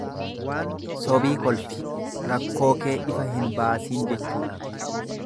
Sobii kolfi, rakkoo kee ifa hin baasiin jechuudha.